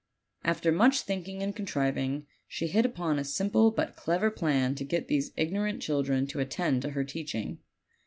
After much think ing and contriving, she hit upon a simple but clever plan to get these ignorant children to attend to her teaching.